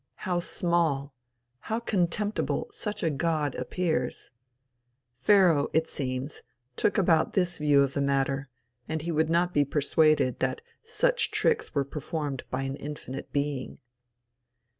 How small, how contemptible such a God appears! Pharaoh, it seems, took about this view of the matter, and he would not be persuaded that such tricks were performed by an infinite being.